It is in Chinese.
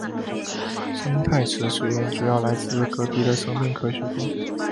生态池水源主要来自隔壁的生命科学馆。